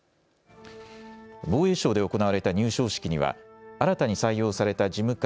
防衛省で行われた入省式には新たに採用された事務官